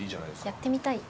やってみたい？